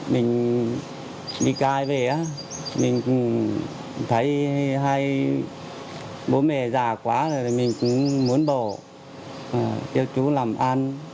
mình đi cai về á mình thấy hai bố mẹ già quá rồi mình cũng muốn bổ yêu chú làm ăn